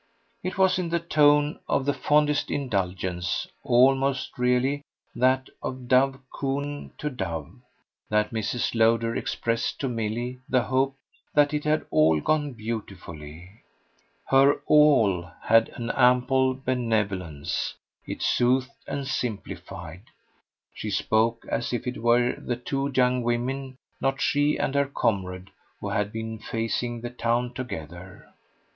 It was in the tone of the fondest indulgence almost, really, that of dove cooing to dove that Mrs. Lowder expressed to Milly the hope that it had all gone beautifully. Her "all" had an ample benevolence; it soothed and simplified; she spoke as if it were the two young women, not she and her comrade, who had been facing the town together.